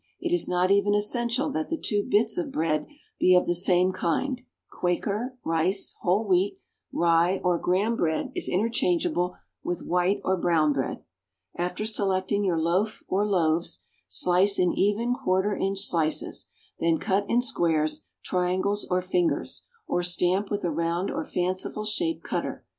It is not even essential that the two bits of bread be of the same kind; Quaker, rice, whole wheat, rye or graham bread is interchangeable with white or brown bread. After selecting your loaf or loaves, slice in even, quarter inch slices; then cut in squares, triangles or fingers, or stamp with a round or fanciful shaped cutter.